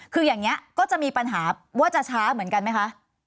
คืออย่างนี้ก็จะมีปัญหาว่าจะช้าเหมือนกันไหมคะ